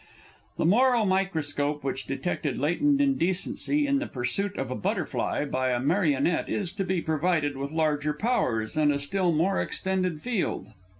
The moral microscope which detected latent indecency in the pursuit of a butterfly by a marionette is to be provided with larger powers, and a still more extended field.